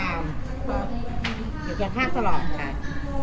อยู่กันที่ช่องกันครับ